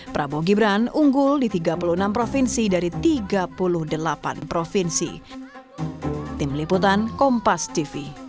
prabowo gibran unggul di tiga puluh enam provinsi dari tiga puluh delapan provinsi